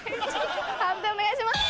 判定お願いします。